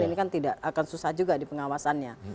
ini kan tidak akan susah juga di pengawasannya